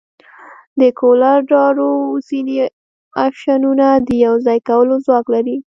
د کولر ډراو ځینې افشنونه د یوځای کولو ځواک لري.